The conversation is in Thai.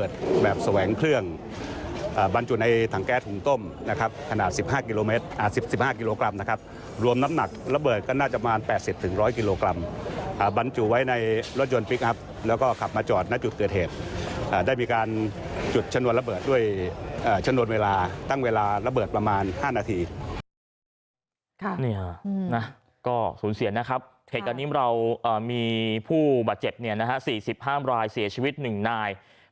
ก็สูญเสียนะครับเหตุการณ์นี้เรามีผู้บาดเจ็บ๔๕รายเสียชีวิต๑นาย